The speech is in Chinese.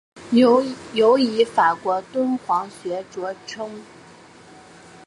尤以法国敦煌学着称。